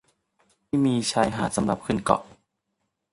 ไม่มีชายหาดสำหรับขึ้นเกาะ